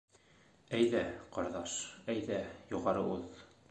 Әйҙә, ҡорҙаш, әйҙә, юғары уҙ.